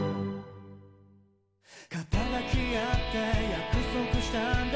「肩抱き合って約束したんだ